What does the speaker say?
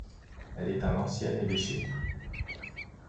Elle est un ancien évêché.